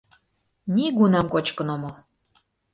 — Нигунам кочкын омыл.